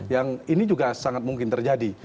yang ini juga sangat mungkin terjadi